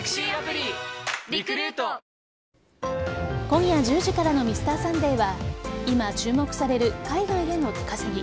今夜１０時からの「Ｍｒ．サンデー」は今、注目される海外への出稼ぎ。